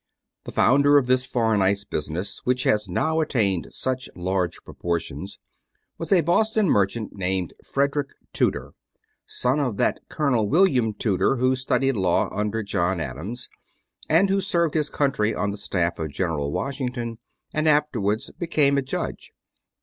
The founder of this foreign ice business, which has now attained such large proportions, was a Boston merchant named Frederick Tudor, son of that Colonel William Tudor who studied law under John Adams, and who served his country on the staff of General Washington, and afterwards became a judge.